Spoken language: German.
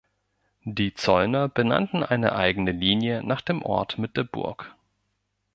Die Zollner benannten eine eigene Linie nach dem Ort mit der Burg.